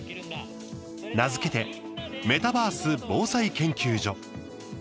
名付けて「メタバース防災研究所」。